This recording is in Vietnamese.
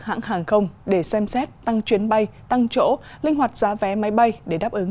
hãng hàng không để xem xét tăng chuyến bay tăng chỗ linh hoạt giá vé máy bay để đáp ứng